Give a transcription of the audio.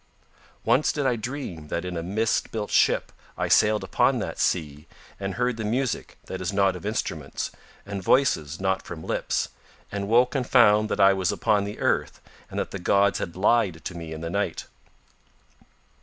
Once did I dream that in a mist built ship I sailed upon that sea and heard the music that is not of instruments, and voices not from lips, and woke and found that I was upon the earth and that the gods had lied to me in the night.